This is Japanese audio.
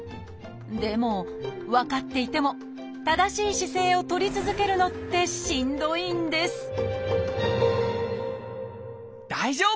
でも分かっていても正しい姿勢をとり続けるのってしんどいんです大丈夫！